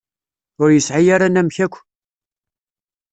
Ur yesɛi ara anamek akk.